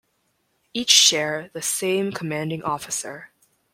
Each share the same Commanding Officer.